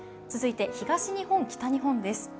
続いて東日本、北日本です。